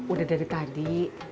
udah dari tadi